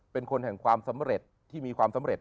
เป็นคนแห่งความสำเร็จที่มีความสำเร็จ